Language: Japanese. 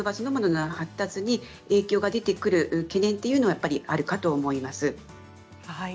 発達に影響が出てくる懸念というのはあるかと思います。